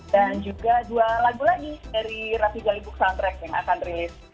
dan juga dua lagu lagi dari rapi jali book soundtrack yang akan dirilis